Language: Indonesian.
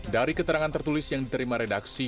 dari keterangan tertulis yang diterima redaksi